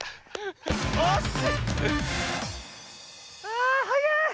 あはやい！